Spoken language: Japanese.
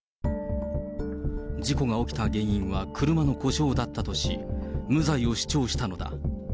事故が起きた原因は車の故障だったとし、無罪を主張したのだ。